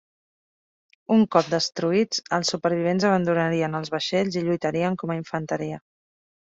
Un cop destruïts, els supervivents abandonarien els vaixells i lluitarien com a infanteria.